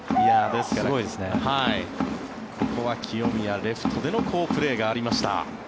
ですから、ここは清宮レフトでの好プレーがありました。